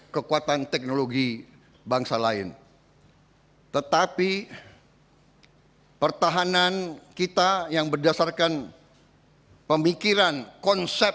kekuatan teknologi bangsa lain tetapi pertahanan kita yang berdasarkan pemikiran konsep